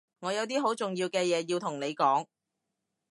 我有啲好重要嘅嘢要同你講